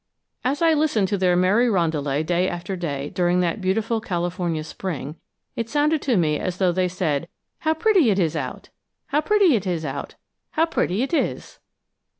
As I listened to their merry roundelay day after day during that beautiful California spring, it sounded to me as though they said, "_How pretty it is' out, how pretty it is' out, how pretty it is'!